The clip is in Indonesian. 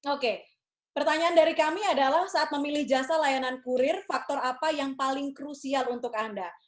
oke pertanyaan dari kami adalah saat memilih jasa layanan kurir faktor apa yang paling krusial untuk anda